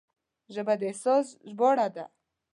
ژبه د احساس ژباړه ده